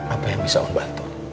apa yang bisa om bantu